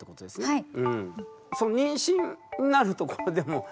はい。